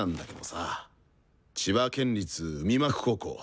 千葉県立海幕高校。